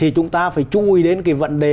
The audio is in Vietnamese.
chúng ta phải chui đến cái vận đề